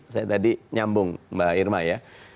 saya tadi nyambung mbak irma ya